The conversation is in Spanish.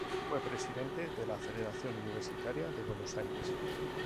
Fue presidente de la Federación Universitaria de Buenos Aires.